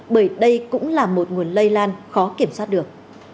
bởi đây cũng là một nguồn lây lan khó kiểm soát được